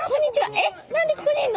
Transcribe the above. えっ何でここにいんの？